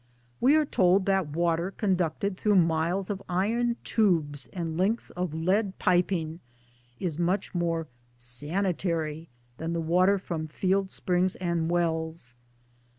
We are told that water conducted through miles of iron tubes and lengths of lead piping: is much more ' sanitary * than the water from! field springs and wells.